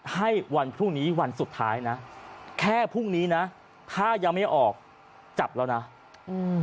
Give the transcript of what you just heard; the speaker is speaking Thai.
ให้วันพรุ่งนี้วันสุดท้ายนะแค่พรุ่งนี้นะถ้ายังไม่ออกจับแล้วนะอืม